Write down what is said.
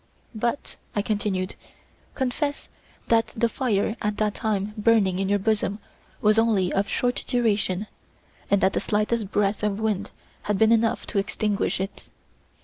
"But," I continued, "confess that the fire at that time burning in your bosom was only of short duration, and that the slightest breath of wind had been enough to extinguish it.